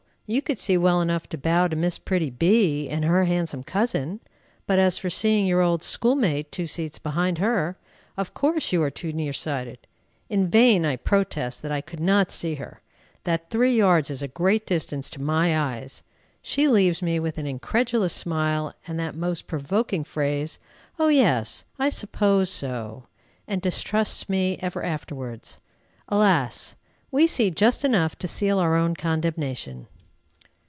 You could see well enough to bow to pretty Miss B , and her handsome cousin; but as for seeing your old schoolmate, two seats behind her, of course you are too near sighted!" In vain I protest that I could not see her, that three yards is a great distance to my eyes. She leaves me with an incredulous smile, and that most provoking phrase, "O yes! I suppose so!" and distrusts me ever afterwards. Alas! we see just enough to seal our own condemnation.